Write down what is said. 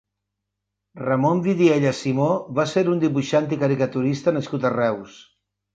Ramon Vidiella Simó va ser un dibuixant i caricaturista nascut a Reus.